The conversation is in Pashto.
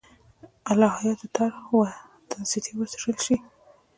د الهیاتو تار و تنستې وڅېړل شي.